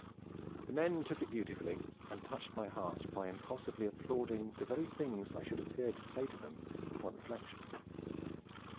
The men took it beautifully, and touched my heart by impulsively applauding the very things I should have feared to say to them upon reflection.